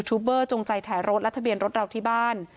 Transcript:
เบอร์จงใจถ่ายรถและทะเบียนรถเราที่บ้าน